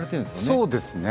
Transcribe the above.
そうですね。